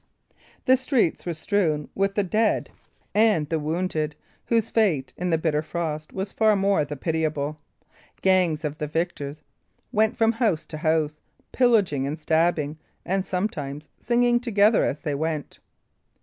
The streets were strewn with the dead and the wounded, whose fate, in the bitter frost, was far the more pitiable. Gangs of the victors went from house to house, pillaging and stabbing, and sometimes singing together as they went.